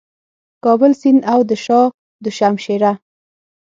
کابل سیند او د شاه دو شمشېره